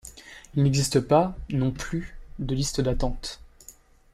Il n'existe pas, non plus, de liste d'attente.